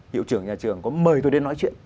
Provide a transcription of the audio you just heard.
hiệu trưởng nhà trường có mời tôi đến nói chuyện